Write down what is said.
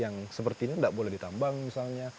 yang seperti ini tidak boleh ditambang misalnya